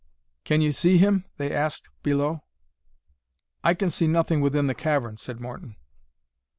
"Can you see him?" they asked below. "I can see nothing within the cavern," said Morton.